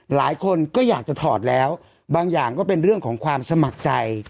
หลายคนก็อยากจะถอดแล้วบางอย่างก็เป็นเรื่องของความสมัครใจ